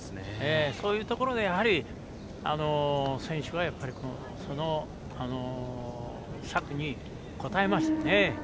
そういうところで選手が策に応えましたね。